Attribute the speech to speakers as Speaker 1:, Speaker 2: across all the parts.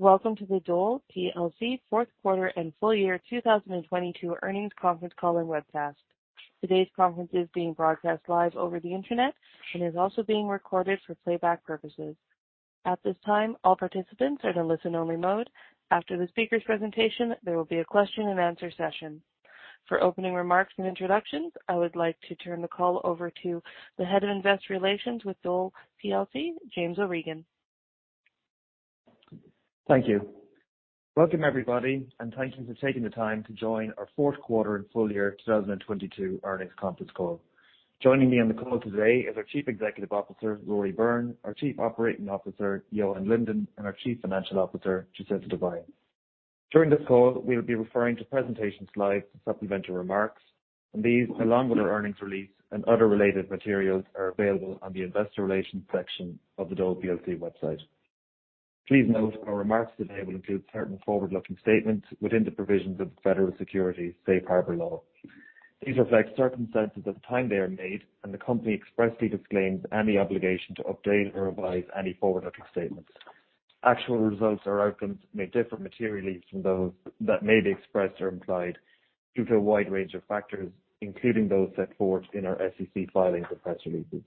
Speaker 1: Welcome to the Dole PLC Fourth Quarter and Full Year 2022 Earnings Conference Call and Webcast. Today's conference is being broadcast live over the Internet and is also being recorded for playback purposes. At this time, all participants are in listen-only mode. After the speaker's presentation, there will be a question and answer session. For opening remarks and introductions, I would like to turn the call over to the Head of Investor Relations with Dole PLC, James O'Regan.
Speaker 2: Thank you. Welcome everybody, and thank you for taking the time to join our fourth quarter and full year 2022 earnings conference call. Joining me on the call today is our Chief Executive Officer, Rory Byrne, our Chief Operating Officer, Johan Linden, and our Chief Financial Officer, Jacinta Devine. During this call, we'll be referring to presentation slides, supplemental remarks, and these, along with our earnings release and other related materials, are available on the investor relations section of the Dole plc website. Please note our remarks today will include certain forward-looking statements within the provisions of the federal securities safe harbor law. These reflect circumstances at the time they are made, and the company expressly disclaims any obligation to update or revise any forward-looking statements. Actual results or outcomes may differ materially from those that may be expressed or implied due to a wide range of factors, including those set forth in our SEC filings and press releases.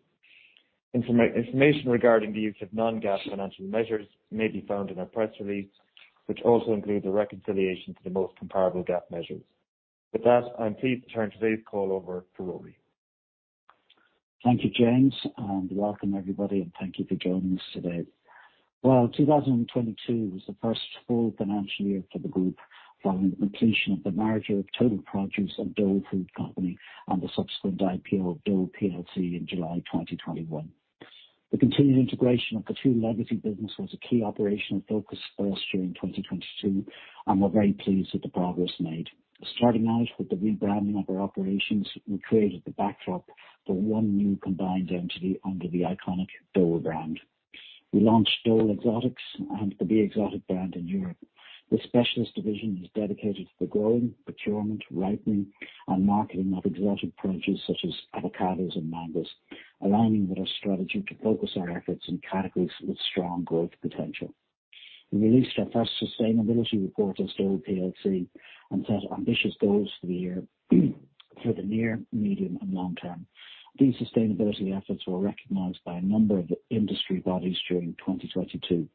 Speaker 2: Information regarding the use of non-GAAP financial measures may be found in our press release, which also includes a reconciliation to the most comparable GAAP measures. With that, I'm pleased to turn today's call over to Rory.
Speaker 3: Thank you, James, and welcome everybody and thank you for joining us today. Well, 2022 was the first full financial year for the group following the completion of the merger of Total Produce and Dole Food Company and the subsequent IPO of Dole plc in July 2021. The continued integration of the two legacy business was a key operational focus for us during 2022. We're very pleased with the progress made. Starting out with the rebranding of our operations, we created the backdrop for one new combined entity under the iconic Dole brand. We launched Dole Exotics and the BE Exotic brand in Europe. This specialist division is dedicated to the growing, procurement, ripening, and marketing of exotic produce such as avocados and mangoes, aligning with our strategy to focus our efforts in categories with strong growth potential. We released our first sustainability report as Dole plc and set ambitious goals for the year for the near, medium, and long term. These sustainability efforts were recognized by a number of industry bodies during 2022.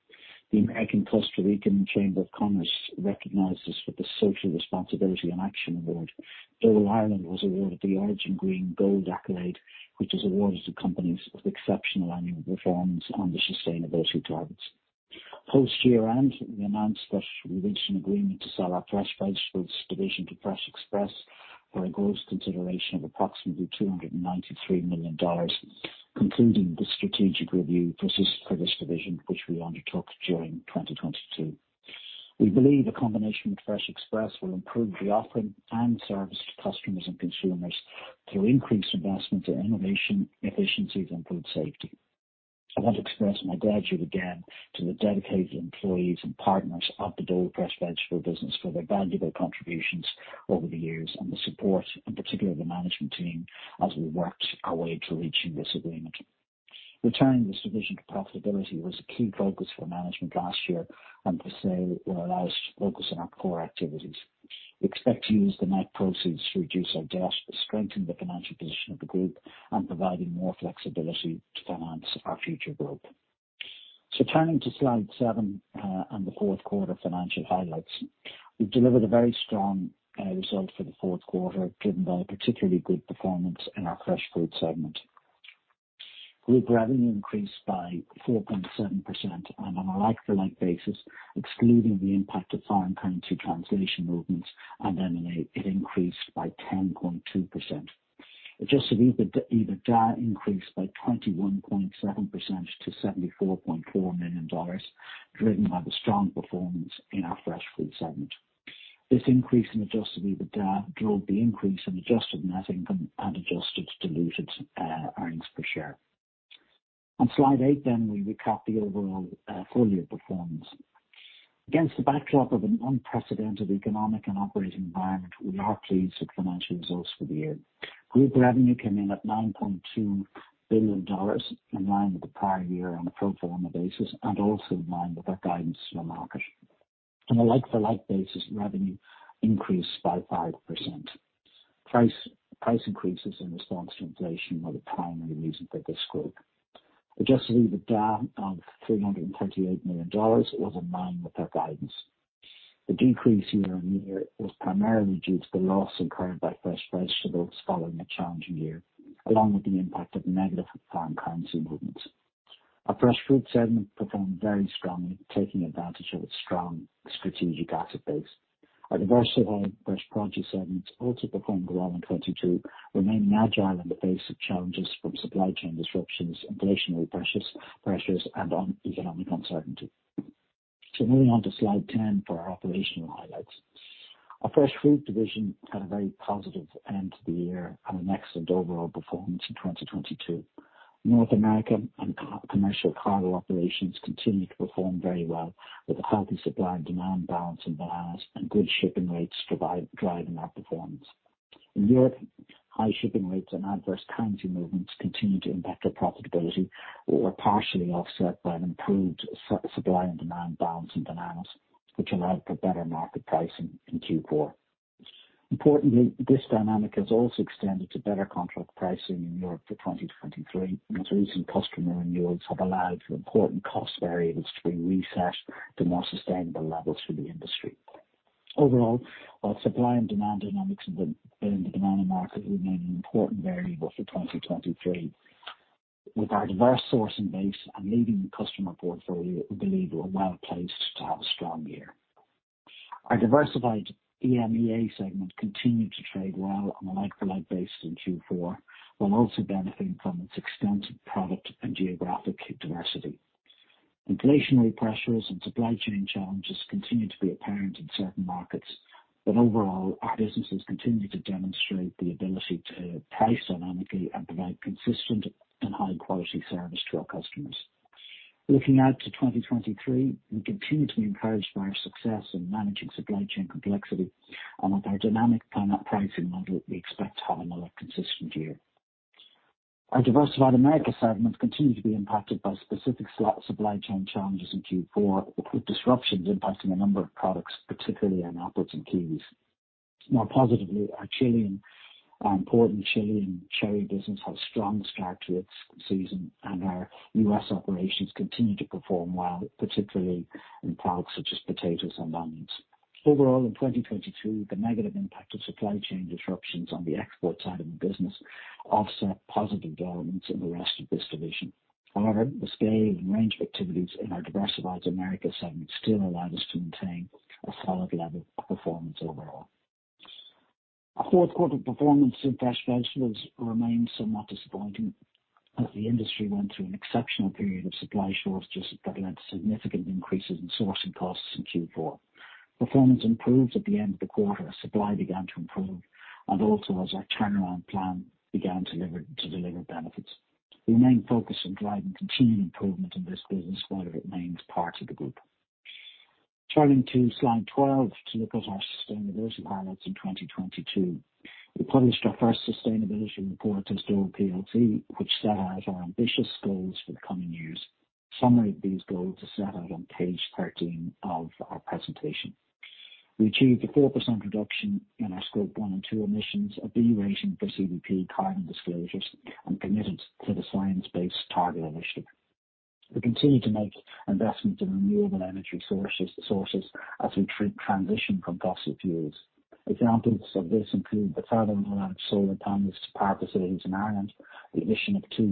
Speaker 3: The Costa Rican-American Chamber of Commerce recognized us with the Social Responsibility in Action award. Dole Ireland was awarded the Origin Green Gold accolade, which is awarded to companies with exceptional annual performance on their sustainability targets. Post year-end, we announced that we reached an agreement to sell our Fresh Vegetables Division to Fresh Express for a gross consideration of approximately $293 million, concluding the strategic review process for this division, which we undertook during 2022. We believe the combination with Fresh Express will improve the offering and service to customers and consumers through increased investment in innovation, efficiencies, and food safety. I want to express my gratitude again to the dedicated employees and partners at the Dole Fresh Vegetable business for their valuable contributions over the years and the support, in particular the management team, as we worked our way to reaching this agreement. Returning this division to profitability was a key focus for management last year. The sale will allow us to focus on our core activities. We expect to use the net proceeds to reduce our debt to strengthen the financial position of the group and providing more flexibility to finance our future growth. Turning to slide seven on the fourth quarter financial highlights. We've delivered a very strong result for the fourth quarter, driven by a particularly good performance in our fresh foods segment. Group revenue increased by 4.7% and on a like-for-like basis, excluding the impact of foreign currency translation movements and M&A, it increased by 10.2%. Adjusted EBITDA increased by 21.7% to $74.4 million, driven by the strong performance in our fresh foods segment. This increase in Adjusted EBITDA drove the increase in adjusted net income and adjusted diluted earnings per share. On slide eight, we recap the overall full year performance. Against the backdrop of an unprecedented economic and operating environment, we are pleased with financial results for the year. Group revenue came in at $9.2 billion, in line with the prior year on a pro forma basis and also in line with our guidance to the market. On a like-for-like basis, revenue increased by 5%. Price increases in response to inflation were the primary reason for this growth. Adjusted EBITDA of $328 million was in line with our guidance. The decrease year-on-year was primarily due to the loss incurred by fresh vegetables following a challenging year, along with the impact of negative foreign currency movements. Our fresh foods segment performed very strongly, taking advantage of its strong strategic asset base. Our Diversified Fresh Produce segments also performed well in 2022, remaining agile in the face of challenges from supply chain disruptions, inflationary pressures and economic uncertainty. Moving on to slide 10 for our operational highlights. Our fresh food division had a very positive end to the year and an excellent overall performance in 2022. North America and commercial cargo operations continued to perform very well, with a healthy supply and demand balance in bananas and good shipping rates driving that performance. In Europe, high shipping rates and adverse currency movements continue to impact our profitability, or partially offset by an improved supply and demand balance in bananas, which allowed for better market pricing in Q4. Importantly, this dynamic has also extended to better contract pricing in Europe for 2023, and its recent customer renewals have allowed for important cost variables to be reset to more sustainable levels for the industry. Overall, while supply and demand dynamics in the banana market remain an important variable for 2023, with our diverse sourcing base and leading customer portfolio, we believe we're well-placed to have a strong year. Our diversified EMEA segment continued to trade well on a like-for-like basis in Q4, while also benefiting from its extensive product and geographic diversity. Overall, our businesses continue to demonstrate the ability to price dynamically and provide consistent and high-quality service to our customers. Looking out to 2023, we continue to be encouraged by our success in managing supply chain complexity and with our dynamic pricing model, we expect to have another consistent year. Our diversified Americas segment continued to be impacted by specific supply chain challenges in Q4, with disruptions impacting a number of products, particularly in apples and kiwis. More positively, our important Chilean cherry business had a strong start to its season, and our U.S. operations continued to perform well, particularly in products such as potatoes and onions. Overall, in 2022, the negative impact of supply chain disruptions on the export side of the business offset positive developments in the rest of this division. The scale and range of activities in our diversified Americas segment still allowed us to maintain a solid level of performance overall. Fourth quarter performance in fresh vegetables remained somewhat disappointing as the industry went through an exceptional period of supply shortages that led to significant increases in sourcing costs in Q4. Performance improved at the end of the quarter as supply began to improve and also as our turnaround plan began to deliver benefits. We remain focused on driving continuing improvement in this business while it remains part of the group. Turning to slide 12 to look at our sustainability highlights in 2022. We published our first sustainability report as Dole plc, which set out our ambitious goals for the coming years. Summary of these goals are set out on page 13 of our presentation. We achieved a 4% reduction in our Scope 1 and Scope 2 emissions, a B rating for CDP carbon disclosures, and committed to the Science Based Targets initiative. We continue to make investments in renewable energy sources as we transition from fossil fuels. Examples of this include the further rollout of solar panels to power facilities in Ireland, the addition of two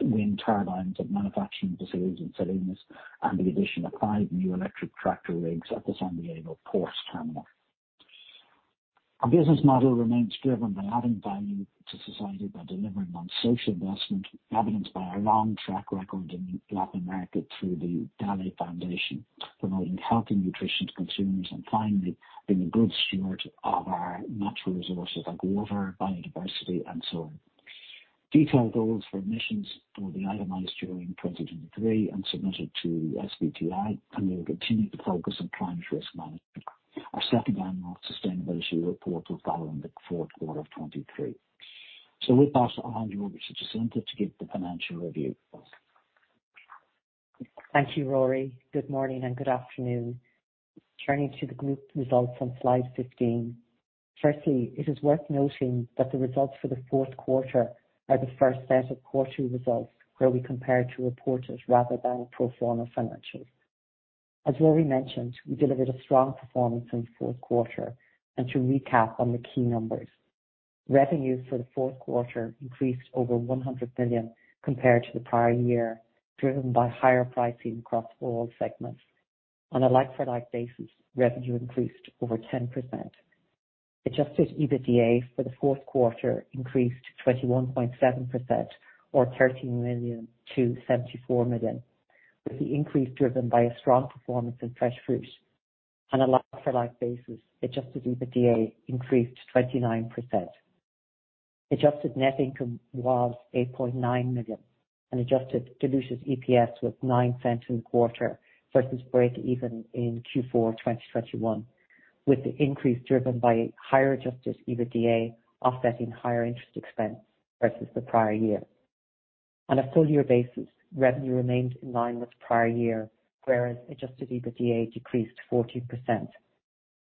Speaker 3: wind turbines at manufacturing facilities in Salinas, and the addition of five new electric tractor rigs at the San Diego port terminal. Our business model remains driven by adding value to society by delivering on social investment, evidenced by our long track record in Latin America through the Dole Foundation, promoting healthy nutrition to consumers and finally, being a good steward of our natural resources, like water, biodiversity and so on. Detailed goals for emissions will be itemized during 2023 and submitted to SBTi. We'll continue to focus on climate risk management. Our second annual sustainability report will follow in the fourth quarter of 2023. With that, I'll hand you over to Jacinta to give the financial review.
Speaker 4: Thank you, Rory. Good morning, and good afternoon. Turning to the group results on slide 15. Firstly, it is worth noting that the results for the fourth quarter are the first set of quarterly results where we compare to reported rather than pro forma financials. As Rory mentioned, we delivered a strong performance in the fourth quarter, and to recap on the key numbers. Revenues for the fourth quarter increased over $100 million compared to the prior year, driven by higher pricing across all segments. On a like-for-like basis, revenue increased over 10%. Adjusted EBITDA for the fourth quarter increased to 21.7%, or $13 million to $74 million, with the increase driven by a strong performance in Fresh Fruit. On a like-for-like basis, Adjusted EBITDA increased 29%. Adjusted net income was $8.9 million and Adjusted Diluted EPS was $0.09 in the quarter versus breakeven in Q4 2021, with the increase driven by higher Adjusted EBITDA offsetting higher interest expense versus the prior year. On a full year basis, revenue remained in line with prior year, whereas Adjusted EBITDA decreased 14%.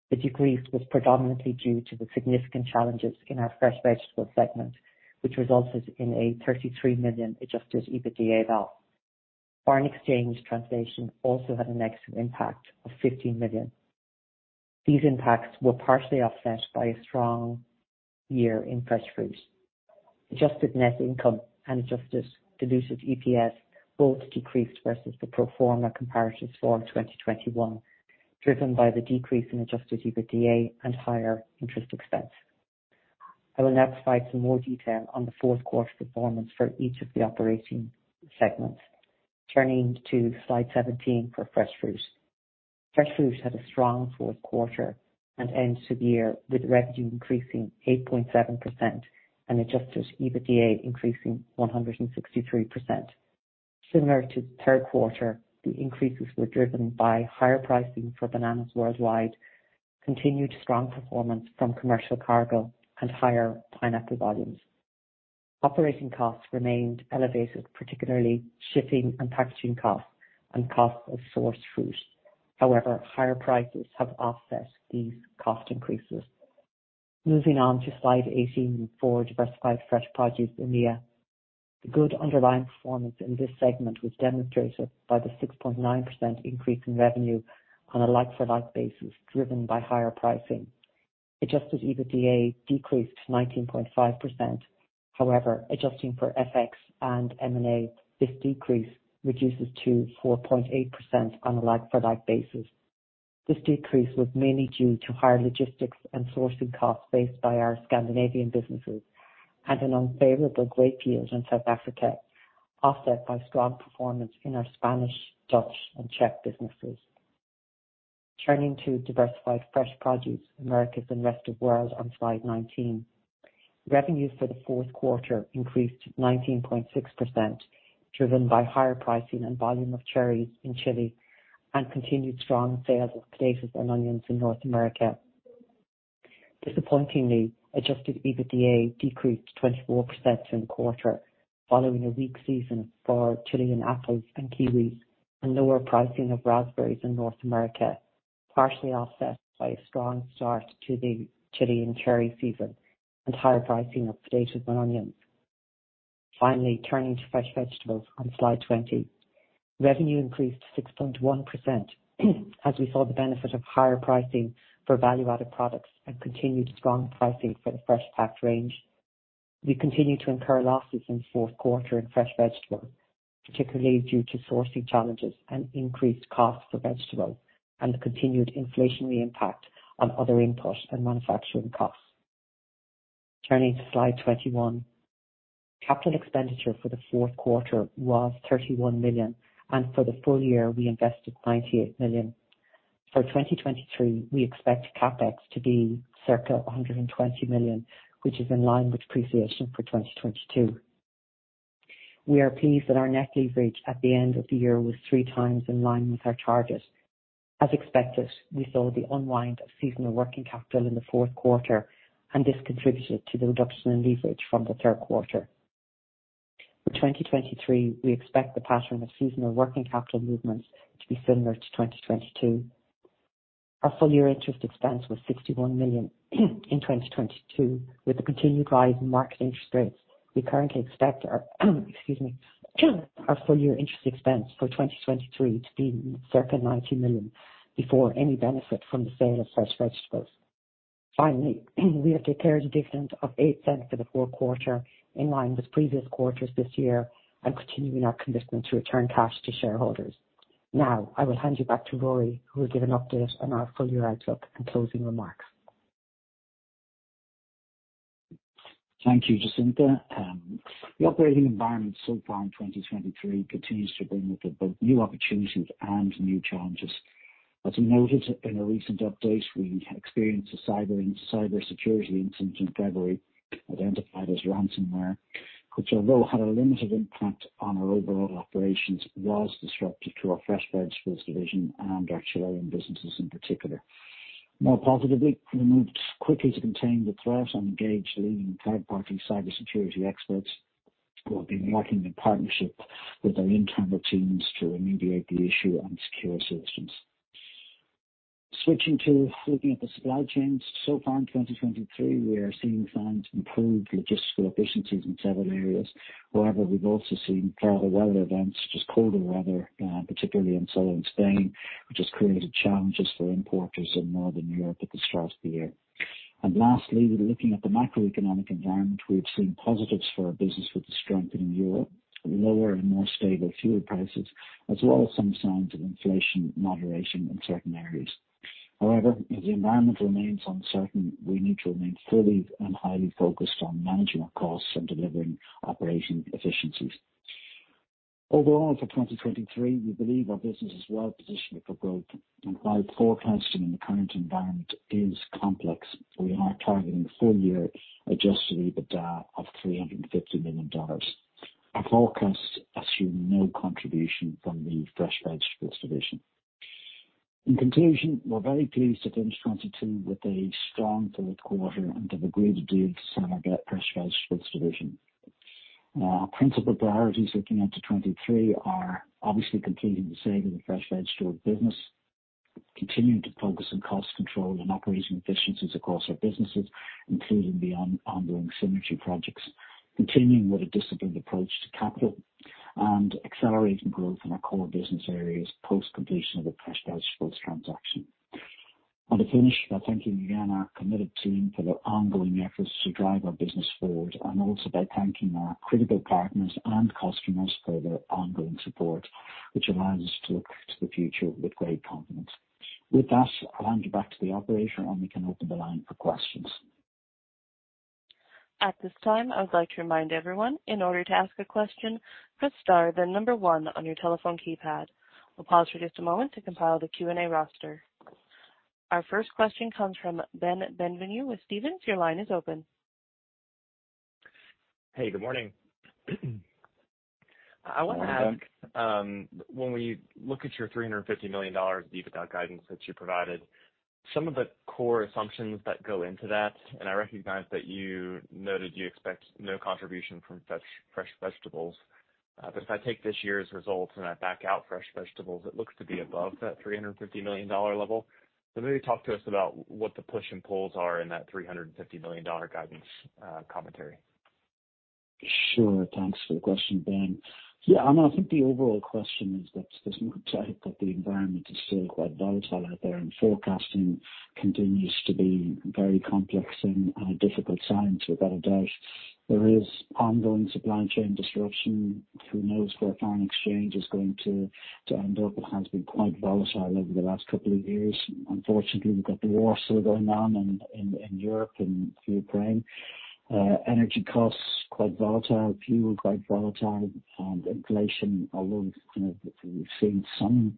Speaker 4: The decrease was predominantly due to the significant challenges in our Fresh Vegetables segment, which resulted in a $33 million Adjusted EBITDA drop. Foreign exchange translation also had a negative impact of $15 million. These impacts were partially offset by a strong year in Fresh Fruit. Adjusted net income and Adjusted Diluted EPS both decreased versus the pro forma comparatives for 2021, driven by the decrease in Adjusted EBITDA and higher interest expense. I will now provide some more detail on the fourth quarter performance for each of the operating segments. Turning to slide 17 for Fresh Fruit. Fresh Fruit had a strong fourth quarter and end to the year, with revenue increasing 8.7% and Adjusted EBITDA increasing 163%. Similar to third quarter, the increases were driven by higher pricing for bananas worldwide, continued strong performance from commercial cargo and higher pineapple volumes. Operating costs remained elevated, particularly shipping and packaging costs and cost of sourced fruit. Higher prices have offset these cost increases. Moving on to slide 18 for Diversified Fresh Produce, EMEA. The good underlying performance in this segment was demonstrated by the 6.9% increase in revenue on a like-for-like basis, driven by higher pricing. Adjusted EBITDA decreased 19.5%. Adjusting for FX and M&A, this decrease reduces to 4.8% on a like-for-like basis. This decrease was mainly due to higher logistics and sourcing costs faced by our Scandinavian businesses and an unfavorable grape yield in South Africa, offset by strong performance in our Spanish, Dutch and Czech businesses. Turning to Diversified Fresh Produce, Americas and rest of world on slide 19. Revenue for the fourth quarter increased 19.6%, driven by higher pricing and volume of cherries in Chile and continued strong sales of potatoes and onions in North America. Disappointingly, Adjusted EBITDA decreased 24% in the quarter following a weak season for Chilean apples and kiwis and lower pricing of raspberries in North America, partially offset by a strong start to the Chilean cherry season and higher pricing of potatoes and onions. Turning to Fresh Vegetables on slide 20. Revenue increased 6.1% as we saw the benefit of higher pricing for value-added products and continued strong pricing for the fresh packed range. We continued to incur losses in fourth quarter in fresh vegetable, particularly due to sourcing challenges and increased costs for vegetable and the continued inflationary impact on other input and manufacturing costs. Turning to slide 21. Capital expenditure for the fourth quarter was $31 million. For the full year we invested $98 million. For 2023, we expect CapEx to be circa $120 million, which is in line with depreciation for 2022. We are pleased that our net leverage at the end of the year was 3x in line with our target. As expected, we saw the unwind of seasonal working capital in the fourth quarter. This contributed to the reduction in leverage from the third quarter. For 2023, we expect the pattern of seasonal working capital movements to be similar to 2022. Our full year interest expense was $61 million in 2022. With the continued rise in market interest rates, we currently expect our excuse me, our full year interest expense for 2023 to be circa $90 million before any benefit from the sale of fresh vegetables. Finally, we have declared a dividend of $0.08 for the full quarter in line with previous quarters this year and continuing our commitment to return cash to shareholders. Now I will hand you back to Rory, who will give an update on our full year outlook and closing remarks.
Speaker 3: Thank you, Jacinta. The operating environment so far in 2023 continues to bring with it both new opportunities and new challenges. As you noted in a recent update, we experienced a cyber security incident in February, identified as ransomware, which although had a limited impact on our overall operations, was disruptive to our Fresh Vegetables Division and our Chilean businesses in particular. More positively, we moved quickly to contain the threat and engaged leading third-party cybersecurity experts who have been working in partnership with our internal teams to remediate the issue and secure systems. Switching to looking at the supply chains so far in 2023, we are seeing signs of improved logistical efficiencies in several areas. However, we've also seen further weather events such as colder weather, particularly in southern Spain, which has created challenges for importers in northern Europe at the start of the year. Lastly, we're looking at the macroeconomic environment. We've seen positives for our business with the strengthening euro, lower and more stable fuel prices, as well as some signs of inflation moderation in certain areas. However, as the environment remains uncertain, we need to remain fully and highly focused on managing our costs and delivering operational efficiencies. Overall, for 2023, we believe our business is well positioned for growth. While forecasting in the current environment is complex, we are targeting a full year Adjusted EBITDA of $350 million. Our forecasts assume no contribution from the Fresh Vegetables Division. In conclusion, we're very pleased to finish 2022 with a strong third quarter and have agreed a deal to sell our Fresh Vegetables Division. Our principal priorities looking into 2023 are obviously completing the sale of the Fresh Vegetable Business, continuing to focus on cost control and operational efficiencies across our businesses, including the ongoing synergy projects, continuing with a disciplined approach to capital and accelerating growth in our core business areas post completion of the Fresh Vegetables transaction. I want to finish by thanking again our committed team for their ongoing efforts to drive our business forward. Also by thanking our critical partners and customers for their ongoing support, which allows us to look to the future with great confidence. With that, I'll hand you back to the operator and we can open the line for questions.
Speaker 1: At this time, I would like to remind everyone, in order to ask a question, press star then one on your telephone keypad. We'll pause for just a moment to compile the Q&A roster. Our first question comes from Ben Bienvenu with Stephens. Your line is open.
Speaker 5: Hey, good morning.
Speaker 3: Good morning, Ben.
Speaker 5: I want to ask, when we look at your $350 million EBITDA guidance that you provided, some of the core assumptions that go into that, and I recognize that you noted you expect no contribution from Fresh Vegetables. If I take this year's results and I back out Fresh Vegetables, it looks to be above that $350 million level. Maybe talk to us about what the push and pulls are in that $350 million guidance commentary.
Speaker 3: Sure. Thanks for the question, Ben. Yeah, I mean, I think the overall question is that this looks like that the environment is still quite volatile out there and forecasting continues to be very complex and a difficult science without a doubt. There is ongoing supply chain disruption. Who knows where foreign exchange is going to end up. It has been quite volatile over the last couple of years. Unfortunately, we've got the war still going on in Europe and Ukraine. Energy costs quite volatile, fuel quite volatile. Inflation, although, you know, we've seen some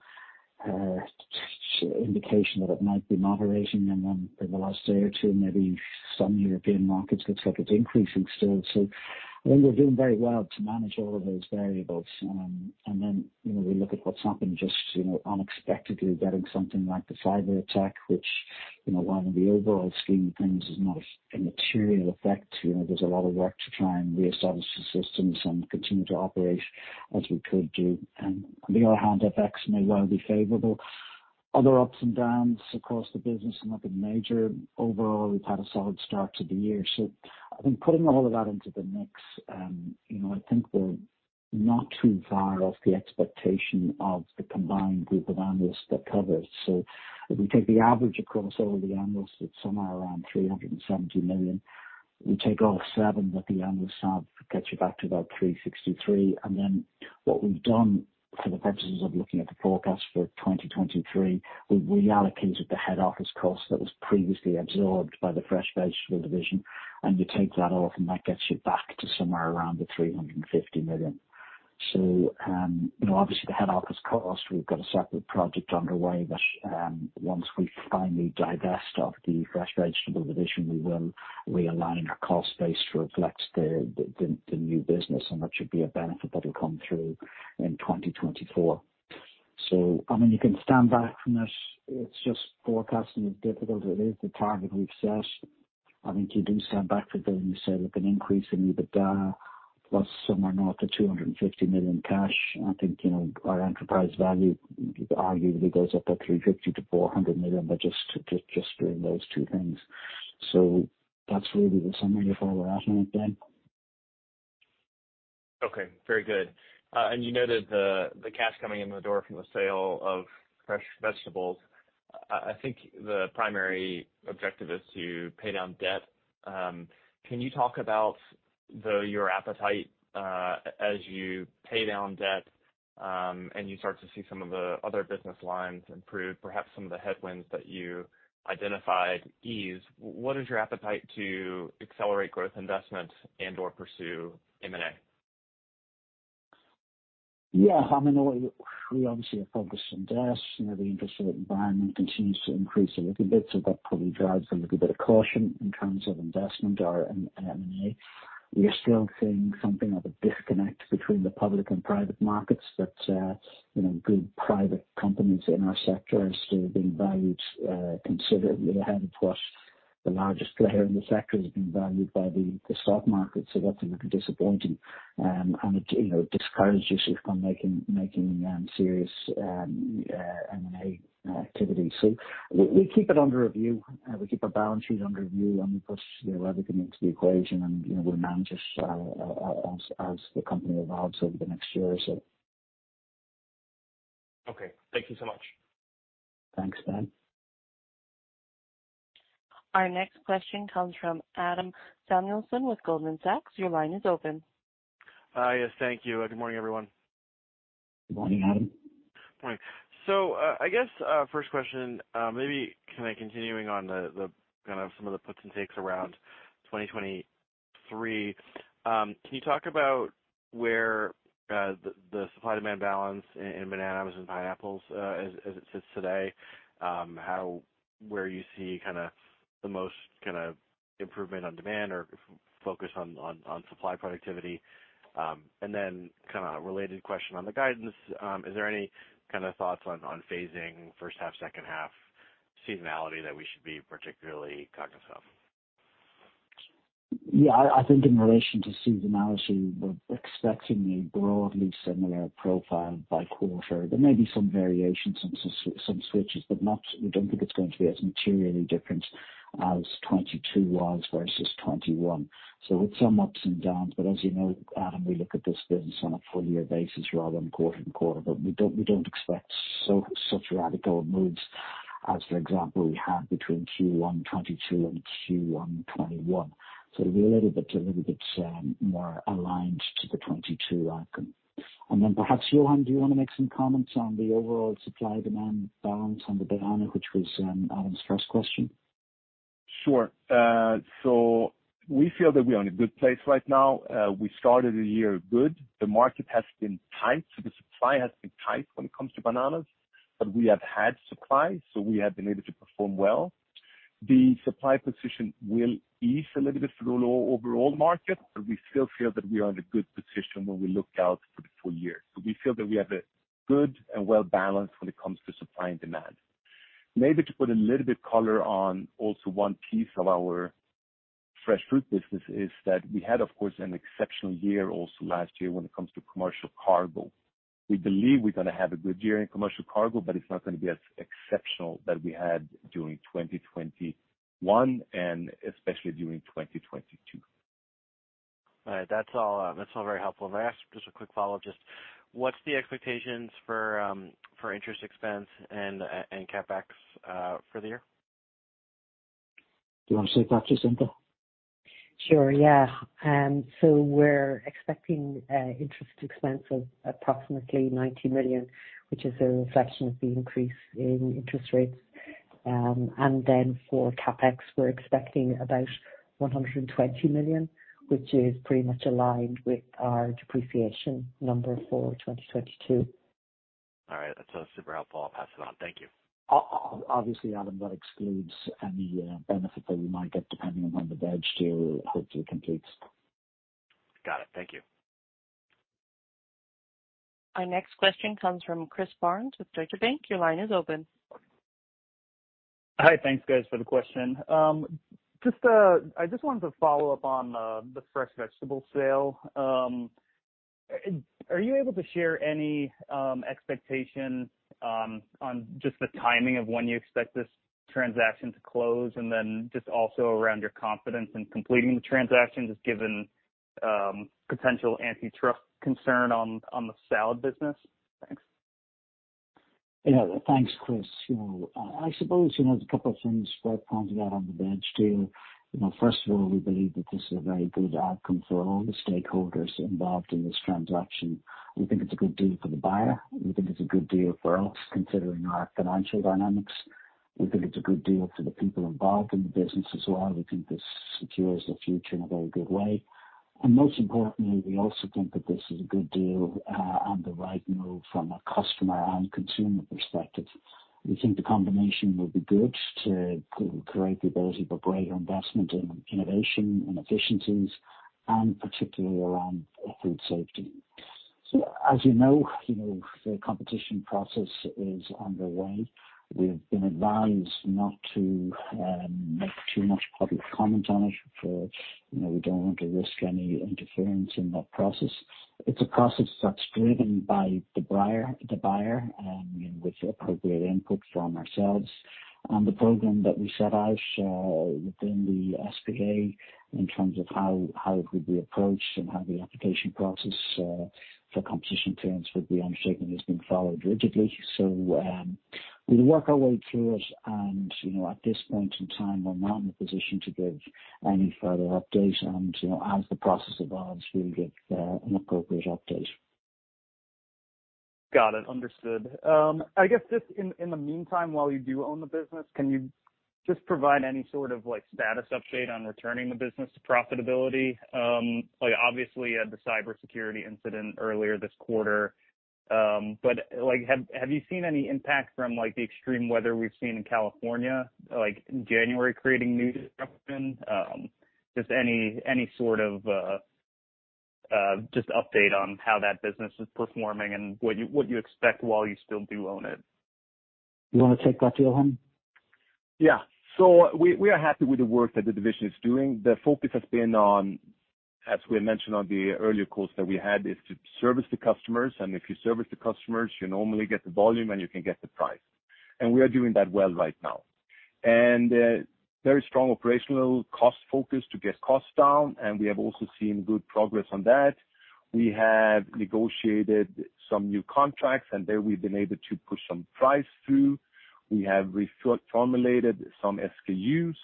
Speaker 3: indication that it might be moderating and then in the last day or two, maybe some European markets looks like it's increasing still. I think we're doing very well to manage all of those variables. You know, we look at what's happened just, you know, unexpectedly getting something like the cyber attack, which, you know, while in the overall scheme of things is not a material effect. You know, there's a lot of work to try and reestablish the systems and continue to operate as we could do. On the other hand, FX may well be favorable. Other ups and downs across the business are nothing major. Overall, we've had a solid start to the year. I think putting all of that into the mix, you know, I think we're not too far off the expectation of the combined group of analysts that cover us. If we take the average across all of the analysts, it's somewhere around $370 million. We take off $7 million that the analysts have, gets you back to about $363 million. What we've done for the purposes of looking at the forecast for 2023, we reallocated the head office cost that was previously absorbed by the Fresh Vegetable Division, and you take that off and that gets you back to somewhere around $350 million. You know, obviously the head office cost, we've got a separate project underway that, once we finally divest of the Fresh Vegetable Division, we will realign our cost base to reflect the new business, and that should be a benefit that will come through in 2024. I mean, you can stand back from this. It's just forecasting is difficult. It is the target we've set. I think you do stand back for building. You said with an increase in EBITDA plus somewhere north of $250 million cash. I think, you know, our enterprise value arguably goes up to $350 million-$400 million by just doing those two things. That's really the summary of where we're at now, Ben.
Speaker 5: Okay, very good. You noted the cash coming in the door from the sale of fresh vegetables. I think the primary objective is to pay down debt. Can you talk about, though, your appetite, as you pay down debt, and you start to see some of the other business lines improve, perhaps some of the headwinds that you identified ease, what is your appetite to accelerate growth investment and or pursue M&A?
Speaker 3: Yeah, I mean, we obviously are focused on debt. You know, the interest rate environment continues to increase a little bit, so that probably drives a little bit of caution in terms of investment or M&A. We are still seeing something of a disconnect between the public and private markets that, you know, good private companies in our sector are still being valued considerably ahead of what the largest player in the sector is being valued by the stock market. That's a little disappointing. It, you know, it discourages you from making serious M&A activity. We keep it under review. We keep our balance sheet under review and we put everything into the equation and, you know, we'll manage as the company evolves over the next year or so.
Speaker 5: Okay. Thank you so much.
Speaker 3: Thanks, Ben.
Speaker 1: Our next question comes from Adam Samuelson with Goldman Sachs. Your line is open.
Speaker 6: Yes, thank you. Good morning, everyone.
Speaker 3: Good morning, Adam.
Speaker 6: Morning. I guess, first question, maybe kind of continuing on the kind of some of the puts and takes around 2023. Can you talk about where the supply demand balance in bananas and pineapples, as it sits today, where you see kind of the most kind of improvement on demand or focus on supply productivity? Kind of a related question on the guidance. Is there any kind of thoughts on phasing first half, second half seasonality that we should be particularly cognizant of?
Speaker 3: I think in relation to seasonality, we're expecting a broadly similar profile by quarter. There may be some variation, some switches, but we don't think it's going to be as materially different as 2022 was versus 2021. With some ups and downs. As you know, Adam, we look at this business on a full year basis rather than quarter and quarter. We don't expect such radical moves as, for example, we had between Q1 2022 and Q1 2021. It'll be a little bit more aligned to the 2022 outcome. Perhaps, Johan, do you want to make some comments on the overall supply demand balance on the banana, which was Adam's first question?
Speaker 7: Sure. We feel that we are in a good place right now. We started the year good. The market has been tight, so the supply has been tight when it comes to bananas. We have had supply, so we have been able to perform well. The supply position will ease a little bit through the overall market, but we still feel that we are in a good position when we look out for the full year. We feel that we have a good and well balanced when it comes to supply and demand. Maybe to put a little bit color on also one piece of our Fresh Fruit business is that we had of course an exceptional year also last year when it comes to commercial cargo. We believe we're gonna have a good year in commercial cargo, but it's not gonna be as exceptional that we had during 2021 and especially during 2022.
Speaker 6: All right. That's all, that's all very helpful. May I ask just a quick follow-up, just what's the expectations for interest expense and CapEx for the year?
Speaker 3: Do you want to take that, Jacinta?
Speaker 4: Sure, yeah. We're expecting interest expense of approximately $90 million, which is a reflection of the increase in interest rates. For CapEx, we're expecting about $120 million, which is pretty much aligned with our depreciation number for 2022.
Speaker 6: All right. That's, super helpful. I'll pass it on. Thank you.
Speaker 3: Obviously, Adam, that excludes any benefit that we might get depending on when the veg deal hopefully completes.
Speaker 6: Got it. Thank you.
Speaker 1: Our next question comes from Christopher Barnes with Deutsche Bank. Your line is open.
Speaker 8: Hi. Thanks, guys, for the question. I just wanted to follow up on the Fresh Vegetables Division sale. Are you able to share any expectation on just the timing of when you expect this transaction to close? Just also around your confidence in completing the transaction, just given potential antitrust concern on the salad business. Thanks.
Speaker 3: Yeah. Thanks, Chris. You know, I suppose, you know, there's a couple of things worth pointing out on the veg deal. You know, first of all, we believe that this is a very good outcome for all the stakeholders involved in this transaction. We think it's a good deal for the buyer. We think it's a good deal for us, considering our financial dynamics. We think it's a good deal for the people involved in the business as well. We think this secures the future in a very good way. Most importantly, we also think that this is a good deal and the right move from a customer and consumer perspective. We think the combination will be good to create the ability for greater investment in innovation and efficiencies, and particularly around food safety. As you know, you know, the competition process is underway. We've been advised not to make too much public comment on it for, you know, we don't want to risk any interference in that process. It's a process that's driven by the buyer, and with appropriate input from ourselves. The program that we set out within the SBTi in terms of how it would be approached and how the application process for competition clearance would be undertaken, has been followed rigidly. We'll work our way through it. You know, at this point in time, we're not in a position to give any further update. You know, as the process evolves, we'll give an appropriate update.
Speaker 8: Got it. Understood. I guess just in the meantime, while you do own the business, can you just provide any sort of, like, status update on returning the business to profitability? Like, obviously you had the cybersecurity incident earlier this quarter. Like, have you seen any impact from, like, the extreme weather we've seen in California, like in January, creating new disruption? Just any sort of, just update on how that business is performing and what you expect while you still do own it.
Speaker 3: You wanna take that, Johan?
Speaker 7: We are happy with the work that the division is doing. The focus has been on, as we mentioned on the earlier calls that we had, is to service the customers. If you service the customers, you normally get the volume and you can get the price. We are doing that well right now. Very strong operational cost focus to get costs down, and we have also seen good progress on that. We have negotiated some new contracts and there we've been able to push some price through. We have reformulated some SKUs.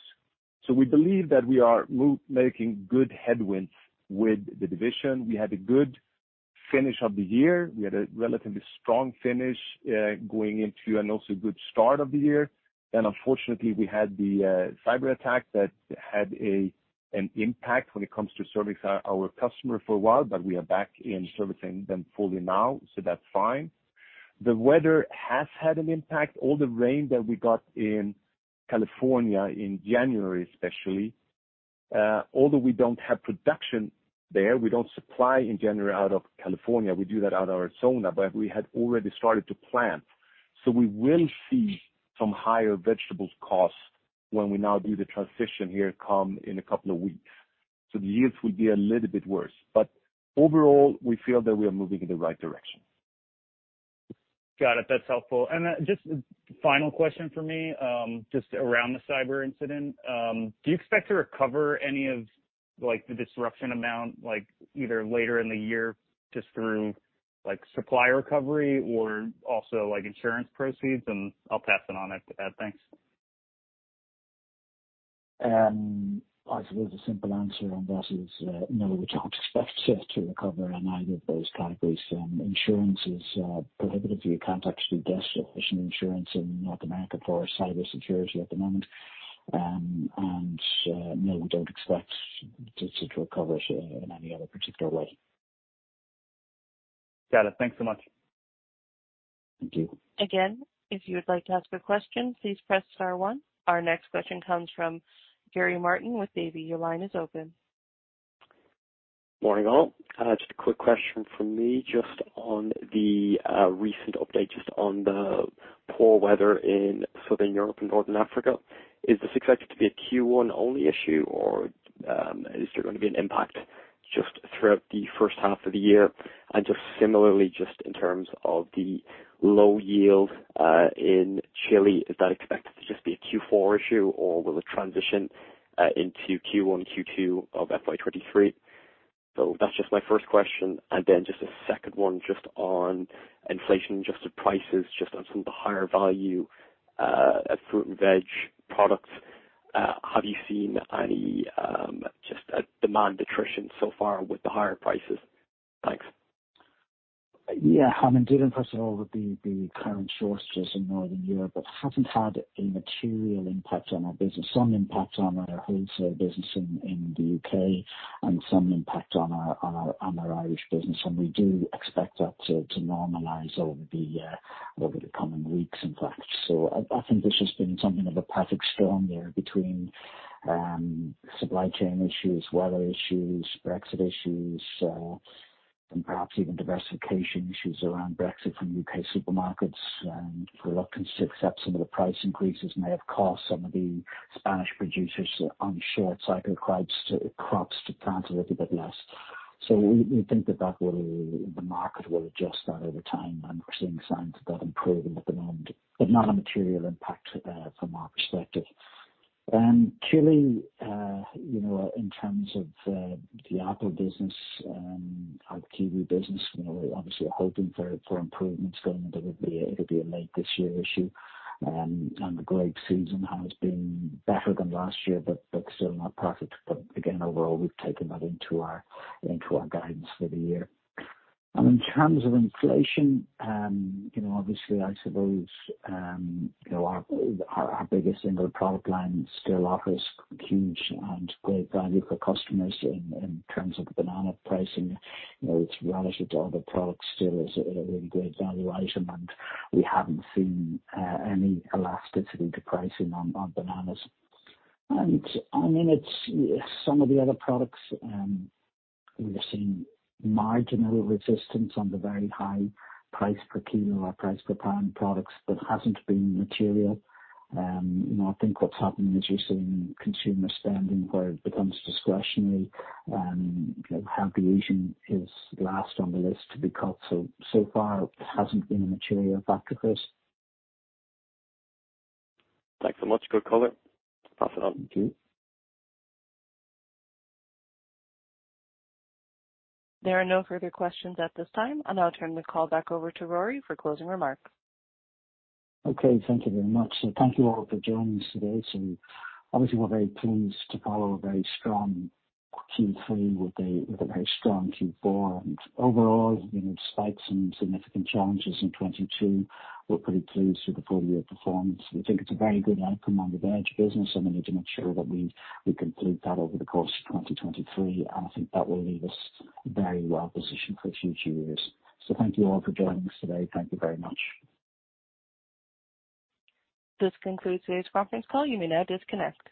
Speaker 7: We believe that we are making good headwinds with the division. We had a good finish of the year. We had a relatively strong finish, going into and also good start of the year. Unfortunately we had the cyberattack that had an impact when it comes to servicing our customer for a while. We are back in servicing them fully now. That's fine. The weather has had an impact. All the rain that we got in California in January, especially. Although we don't have production there, we don't supply in January out of California. We do that out of Arizona, but we had already started to plant. We will see some higher vegetables costs when we now do the transition here come in a couple of weeks. The yields will be a little bit worse. Overall, we feel that we are moving in the right direction.
Speaker 8: Got it. That's helpful. Just final question for me, just around the cyber incident. Do you expect to recover any of, like, the disruption amount, like either later in the year just through like supply recovery or also like insurance proceeds? I'll pass it on if to add. Thanks.
Speaker 3: I suppose the simple answer on that is, no, we don't expect it to recover on either of those categories. Insurance is prohibitive. You can't actually get sufficient insurance in North America for cybersecurity at the moment. No, we don't expect this to recover it in any other particular way.
Speaker 9: Got it. Thanks so much.
Speaker 3: Thank you.
Speaker 1: If you would like to ask a question, please press star one. Our next question comes from Gary Martin with Davy. Your line is open.
Speaker 9: Morning all. Just a quick question from me just on the recent update just on the poor weather in Southern Europe and Northern Africa. Is this expected to be a Q1 only issue or is there gonna be an impact just throughout the first half of the year? Similarly, just in terms of the low yield in Chile, is that expected to just be a Q4 issue or will it transition into Q1, Q2 of FY 2023? That's just my first question. A second one just on inflation-adjusted prices, just on some of the higher value fruit and veg products. Have you seen any just a demand attrition so far with the higher prices? Thanks.
Speaker 3: Yeah. I mean, did impress all of the current shortages in Northern Europe. Hasn't had a material impact on our business. Some impact on our wholesale business in the U.K. and some impact on our Irish business. We do expect that to normalize over the coming weeks, in fact. I think this has been something of a perfect storm there between supply chain issues, weather issues, Brexit issues, and perhaps even diversification issues around Brexit from U.K. supermarkets and reluctance to accept some of the price increases may have cost some of the Spanish producers on short cycle crops to plant a little bit less. We think that that will—the market will adjust that over time. We're seeing signs of that improving at the moment, but not a material impact from our perspective. Chile, you know, in terms of the apple business, our kiwi business, you know, we're obviously hoping for improvements going into. It'll be a late this year issue. The grape season has been better than last year, but still not perfect. Again, overall, we've taken that into our guidance for the year. In terms of inflation, you know, obviously, I suppose, you know, our biggest single product line still offers huge and great value for customers in terms of the banana pricing. You know, it's relative to other products still is a really great value item, and we haven't seen any elasticity to pricing on bananas. I mean, some of the other products, we've seen marginal resistance on the very high price per kilo or price per pound products, but hasn't been material. You know, I think what's happened is you're seeing consumer spending where it becomes discretionary and, you know, healthy eating is last on the list to be cut. So far it hasn't been a material factor for us.
Speaker 9: Thanks so much. Good call. Pass it on.
Speaker 3: Thank you.
Speaker 1: There are no further questions at this time. I'll now turn the call back over to Rory for closing remarks.
Speaker 3: Okay. Thank you very much. Thank you all for joining us today. Obviously we're very pleased to follow a very strong Q3 with a very strong Q4. Overall, you know, despite some significant challenges in 2022, we're pretty pleased with the full year performance. We think it's a very good outcome on the veg business, and we need to make sure that we complete that over the course of 2023, and I think that will leave us very well positioned for future years. Thank you all for joining us today. Thank you very much.
Speaker 1: This concludes today's conference call. You may now disconnect.